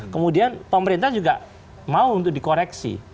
kemudian pemerintah juga mau untuk dikoreksi